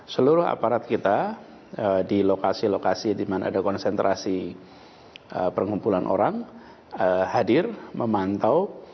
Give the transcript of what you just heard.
seluruh aparat kita di lokasi lokasi di mana ada konsentrasi pengumpulan orang hadir memantau